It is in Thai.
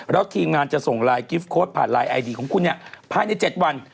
แล้วทีมงานจะส่งไลน์กิฟต์โค้ดผ่านไลน์ไอดีของคุณเนี่ยภายใน๗วัน